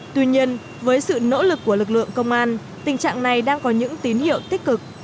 tuy nhiên với sự nỗ lực của lực lượng công an tình trạng này đang có những tín hiệu tích cực